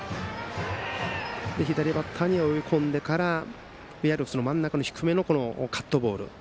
左バッターには追い込んでから真ん中の低めのカットボール。